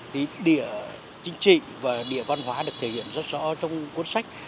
thì địa chính trị và địa văn hóa được thể hiện rất rõ trong cuốn sách